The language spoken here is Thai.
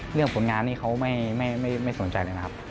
เรื่องผลงานนี้เขาไม่สนใจเลยนะครับ